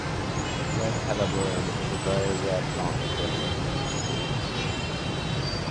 Red Helleborine is a very rare plant in Britain.